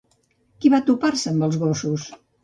Qui va topar-se amb els gossos?